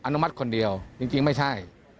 อนุมัติคนเดียวจริงไม่ใช่